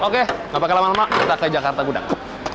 oke nggak pakai lama lama kita ke jakarta gudang